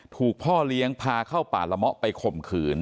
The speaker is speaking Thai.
พ่อเลี้ยงพาเข้าป่าละเมาะไปข่มขืน